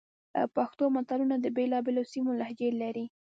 پښتو متلونه د بېلابېلو سیمو لهجې لري